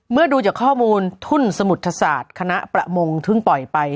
ดูจากข้อมูลทุ่นสมุทรศาสตร์คณะประมงเพิ่งปล่อยไป